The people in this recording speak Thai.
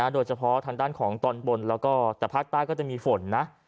โดยเฉพาะทางด้านของตอนบนแล้วก็แต่ภาคใต้ก็จะมีฝนนะ